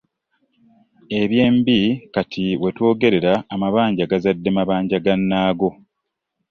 Ebyembi kati wetwogerera amabanja gazadde mabanja gannaago.